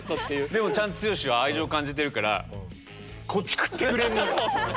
でもちゃんと剛は愛情感じてるからこっち食ってくれるのよ。